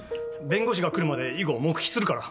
弁護士が来るまで以後黙秘するから。